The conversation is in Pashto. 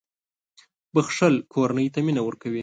• بښل کورنۍ ته مینه ورکوي.